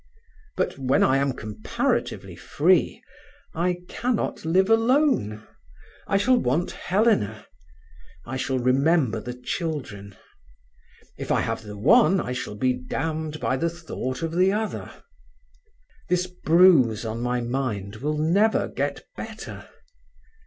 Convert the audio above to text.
"But when I am comparatively free I cannot live alone. I shall want Helena; I shall remember the children. If I have the one, I shall be damned by the thought of the other. This bruise on my mind will never get better.